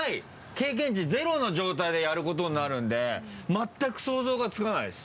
経験値ゼロの状態でやることになるんで全く想像がつかないです。